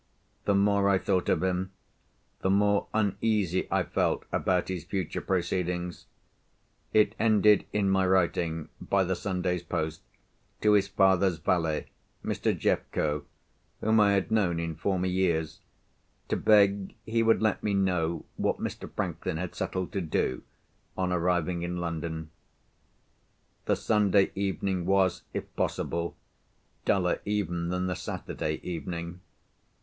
The more I thought of him, the more uneasy I felt about his future proceedings. It ended in my writing, by the Sunday's post, to his father's valet, Mr. Jeffco (whom I had known in former years) to beg he would let me know what Mr. Franklin had settled to do, on arriving in London. The Sunday evening was, if possible, duller even than the Saturday evening.